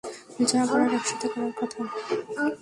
যা করার একসাথে করার কথা।